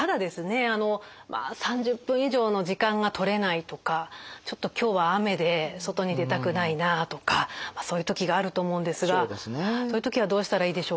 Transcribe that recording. あのまあ３０分以上の時間が取れないとかちょっと今日は雨で外に出たくないなあとかそういう時があると思うんですがそういう時はどうしたらいいでしょうか？